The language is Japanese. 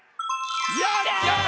やった！